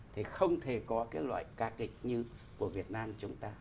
thì không thể có cái loại ca kịch như của việt nam chúng ta